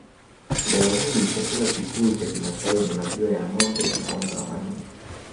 Leo hii chakula kikuu cha Kimasai ni maziwa ya ngombe na unga wa mahindi